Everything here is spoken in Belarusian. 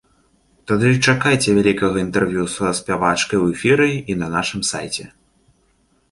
Тады і чакайце вялікага інтэрв'ю са спявачкай у эфіры і на нашым сайце.